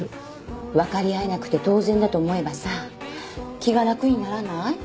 分かり合えなくて当然だと思えばさ気が楽にならない？